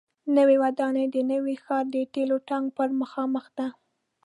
نوې ودانۍ د نوي ښار د تیلو ټانک پر مخامخ ده.